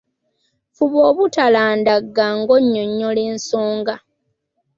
Fuba obutalandagga ng'onyonnyola ensonga.